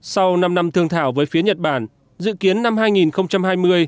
sau năm năm thương thảo với phía nhật bản dự kiến năm hai nghìn hai mươi